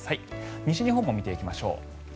西日本も見ていきましょう。